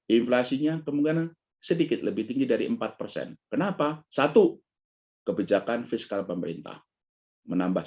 inflasinya kemungkinan sedikit lebih tinggi dari empat persen kenapa satu kebijakan fiskal pemerintah menambah